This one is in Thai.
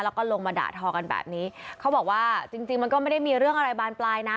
แล้วก็ลงมาด่าทอกันแบบนี้เขาบอกว่าจริงจริงมันก็ไม่ได้มีเรื่องอะไรบานปลายนะ